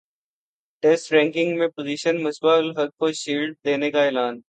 test ranking میں position Misbah ul Haq کو shield دینے کا اعلان